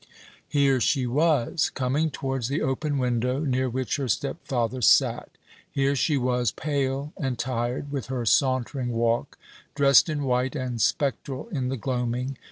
Here she was, coming towards the open window near which her stepfather sat. Here she was, pale and tired, with her sauntering walk, dressed in white, and spectral in the gloaming.